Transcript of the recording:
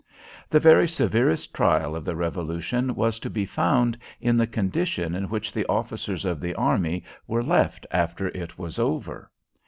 The very severest trial of the Revolution was to be found in the condition in which the officers of the army were left after it was over.